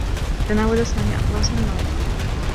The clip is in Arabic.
تناول سامي أقراص النّوم.